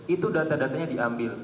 itu data datanya diambil